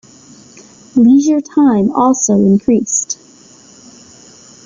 Leisure time also increased.